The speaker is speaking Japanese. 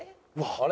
あれ？